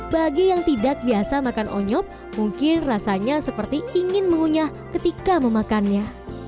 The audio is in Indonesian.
bagi yang tidak biasa makan onyok mungkin rasanya seperti ingin mengunyah ketika memakannya